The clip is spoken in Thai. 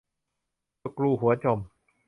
สกรูหัวจม